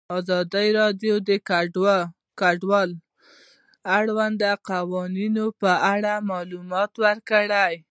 ازادي راډیو د کډوال د اړونده قوانینو په اړه معلومات ورکړي.